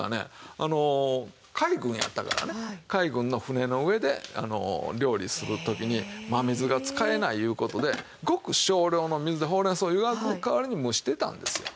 あの海軍やったからね海軍の船の上で料理する時に真水が使えないいう事でごく少量の水でほうれん草をゆがく代わりに蒸してたんですよ。